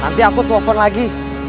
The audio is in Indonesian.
nanti aku telfon lagi